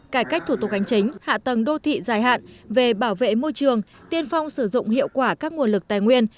cải cách thủ tục ánh chính hạ tầng đô thị dài hạn về bảo vệ môi trường tiên phong sử dụng hiệu quả các nguồn lực tài nguyên